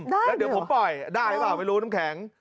แล้วเดี๋ยวผมปล่อยได้หรือเปล่าไม่รู้น้ำแข็ง